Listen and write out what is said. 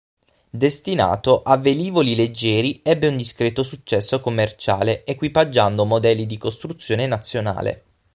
Destinato a velivoli leggeri ebbe un discreto successo commerciale equipaggiando modelli di costruzione nazionale.